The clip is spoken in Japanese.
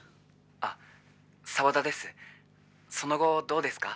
その後どうですか？